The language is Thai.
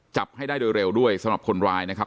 จับให้ได้โดยเร็วด้วยสำหรับคนร้ายนะครับ